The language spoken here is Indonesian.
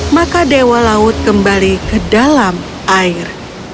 maka dewa laut kembali ke dalam air